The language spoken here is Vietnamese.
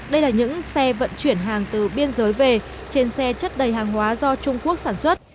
đây là những xe vận chuyển hàng từ biên giới về trên xe chất đầy hàng hóa do trung quốc sản xuất